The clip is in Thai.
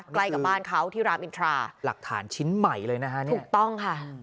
ใกล้กับบ้านเขาที่รามอินทราหลักฐานชิ้นใหม่เลยนะฮะนี่ถูกต้องค่ะ